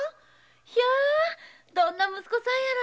いやどんな息子さんやろ。